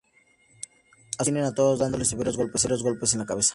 Asuma los detiene a todos dándoles severos golpes en la cabeza.